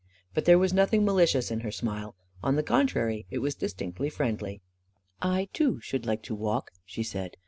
But there was nothing malicious in her smile. On the contrary, it was distinctly friendly. " I, too, should like to walk," she said.